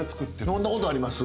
飲んだことあります？